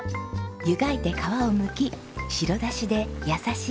湯がいて皮をむき白だしで優しい味に。